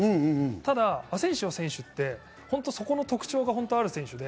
ただ、アセンシオ選手って特徴がある選手で。